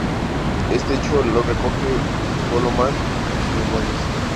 Este hecho lo recoge Golo Mann en sus memorias.